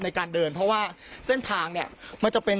ในการเดินเพราะว่าเส้นทางเนี่ยมันจะเป็น